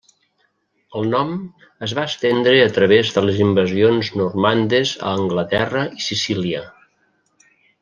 El nom es va estendre a través de les invasions normandes a Anglaterra i Sicília.